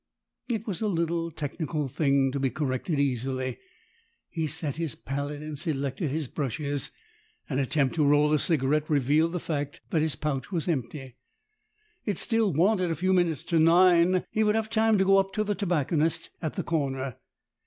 It was a little, technical thing, to be corrected easily. He set his palette and selected his brushes. An attempt to roll a cigarette revealed the fact that his pouch was empty. It still wanted a few minutes to nine. He would have time to go up to the tobacconist at the corner.